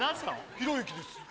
ひろゆきですよ